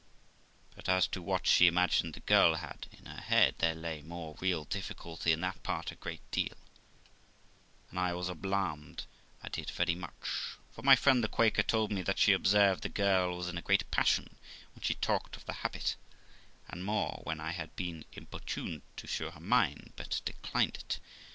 But as to what she imagined the girl had in her head, there lay more real difficulty in that part a great deal, and I was alarmed at it very much, for my friend the Quaker told me that she observed the girl was in a great passion when she talked of the habit, and more when I had been importuned to show her mine, but declined it.